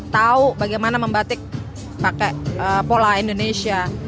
tahu bagaimana membatik pakai pola indonesia